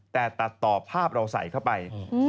แต่ตัดต่อภาพเราใส่เข้าไป